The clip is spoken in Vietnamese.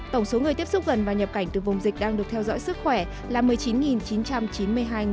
tổng số người tiếp xúc gần và nhập cảnh từ vùng dịch đang được theo dõi sức khỏe là một mươi chín chín trăm chín mươi hai người